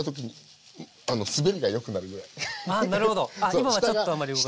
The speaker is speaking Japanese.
今はちょっとあんまり動かない。